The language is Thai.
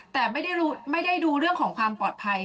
แต่ไม่ได้ดูเรื่องของความปลอดภัย